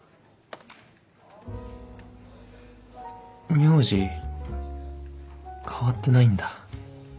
名字変わってないんだ